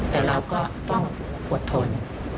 แต่เราก็ต้องอดทน